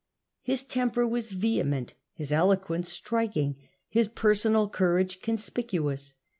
His temper was vehement, his eloquence striking, his personal cou rage conspicuous.